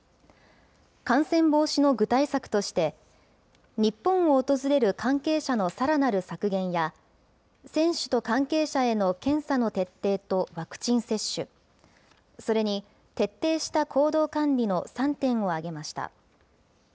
感染防止の具体策として、日本を訪れる関係者のさらなる削減や、選手と関係者への検査の徹底とワクチン接種、それに徹底した行動管理の３点を挙げました。